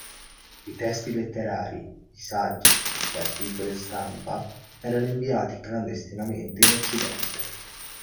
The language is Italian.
I testi letterari, i saggi, gli articoli a stampa erano inviati clandestinamente in Occidente.